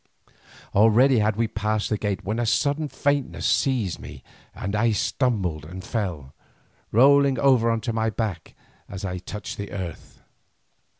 Already we had passed the gate when a sudden faintness seized me, and I stumbled and fell, rolling over on to my back as I touched the earth.